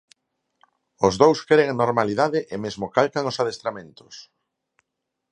Os dous queren normalidade e mesmo calcan os adestramentos.